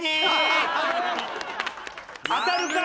当たるか！